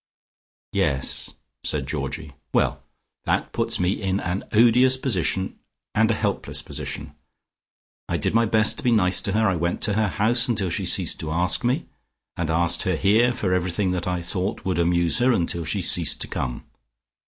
'" "Yes," said Georgie. "Well, that puts me in an odious position and a helpless position. I did my best to be nice to her; I went to her house until she ceased to ask me, and asked her here for everything that I thought would amuse her, until she ceased to come.